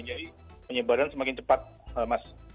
jadi penyebaran semakin cepat mas